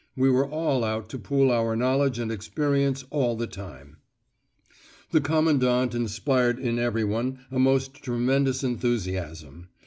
We were all out to pool our knowledge and experience all the time. The Commandant inspired in everyone a most tremendous enthusiasm.